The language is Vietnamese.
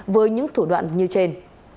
với những thủ đoạn như trên